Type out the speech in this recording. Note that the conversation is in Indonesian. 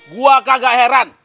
gue kagak heran